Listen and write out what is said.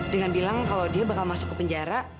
dengan bilang kalau dia bakal masuk ke penjara